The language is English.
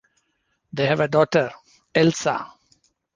They have a daughter, Elsa.